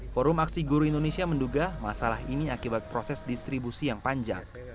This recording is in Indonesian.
forum aksi guru indonesia menduga masalah ini akibat proses distribusi yang panjang